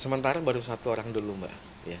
sementara baru satu orang dulu mbak